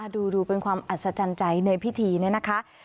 ดูเป็นความอัศจรรย์ใจในพิธีนี้นะคะ